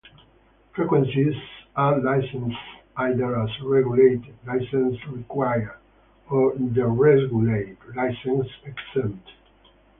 Frequencies are licensed either as regulated (licence required) or deregulated (licence exempt).